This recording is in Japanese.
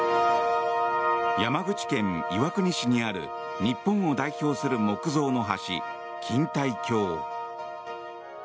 山口県岩国市にある日本を代表する木造の橋錦帯橋。